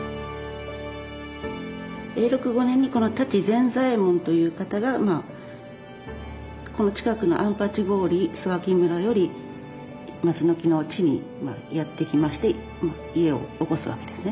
永禄５年にこの舘善左エ門という方がまあこの近くの安八郡須脇村より松木の地にやって来まして家をおこすわけですね。